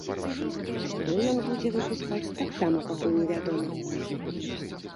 Што ён будзе выпускаць, таксама пакуль не вядома.